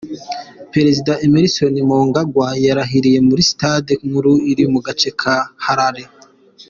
Perezida Emmerson Mnangagwa yarahiriye muri sitade nkuru iri mu gace ka Harare.